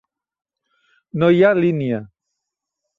No hi ha línia.